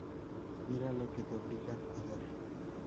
Mira lo que te obligan a dar".